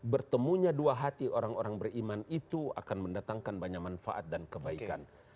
bertemunya dua hati orang orang beriman itu akan mendatangkan banyak manfaat dan kebaikan